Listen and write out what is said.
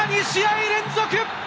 ２試合連続！